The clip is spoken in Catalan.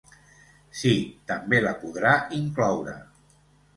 Sí, també la podrà incloure.